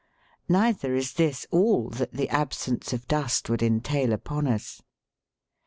Neither is this all that the absence of dust would entail upon us.